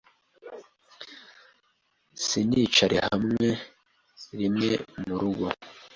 sinicare hamwe rimwe murugo